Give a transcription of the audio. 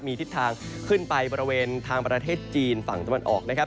มีทิศทางขึ้นไปบริเวณทางประเทศจีนฝั่งตะวันออกนะครับ